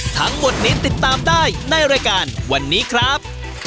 ทั้งหมดนี้ติดตามได้ในรายการวันนี้ครับ